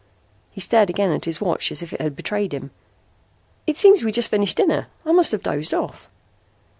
He stared again at his watch as if it had betrayed him. "It seems we just finished dinner. I must have dozed off...."